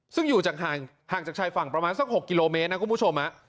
ซึ่งอยู่ห่างจากชายฝั่งประมาณสัก๖กิโลเมตรนะคุณผู้ชม